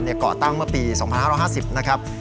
เนี่ยเกาะตั้งเมื่อปี๒๕๕๐นะครับ